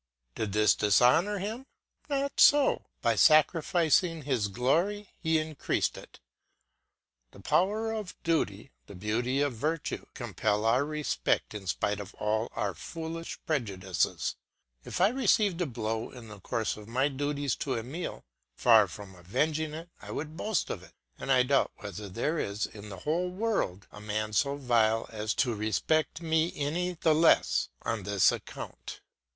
Did this dishonour him? Not so; by sacrificing his glory he increased it. The power of duty, the beauty of virtue, compel our respect in spite of all our foolish prejudices. If I received a blow in the course of my duties to Emile, far from avenging it I would boast of it; and I doubt whether there is in the whole world a man so vile as to respect me any the less on this account.